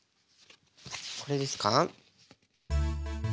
これですか？